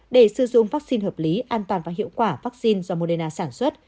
để sử dụng vaccine hợp lý an toàn và hiệu quả vaccine do moderna sản xuất